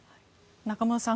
中室さん